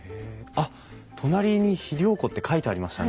あっ隣に肥料庫って書いてありましたね。